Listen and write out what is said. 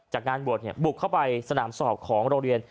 งานบวชบุกเข้าไปสนามสอบของโรงเรียน